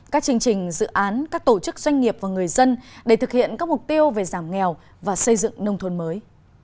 các chương trình dự án các tổ chức doanh nghiệp và người dân để thực hiện các mục tiêu về giảm nghèo và xây dựng nông thôn mới